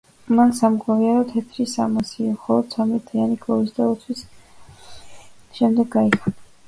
მან სამგლოვიარო თეთრი სამოსი, მხოლოდ ცამეტი დღიანი გლოვის და ლოცვის შემდეგ გაიხადა.